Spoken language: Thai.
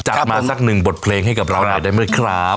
จัดมาสักหนึ่งบทเพลงให้กับเราหน่อยได้ไหมครับ